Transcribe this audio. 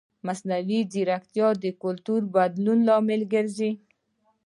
مصنوعي ځیرکتیا د کلتوري بدلون لامل ګرځي.